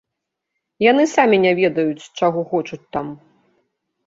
Яны самі не ведаюць, чаго хочуць там.